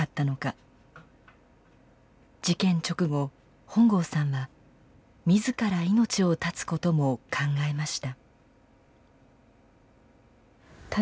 事件直後本郷さんは自ら命を絶つことも考えました。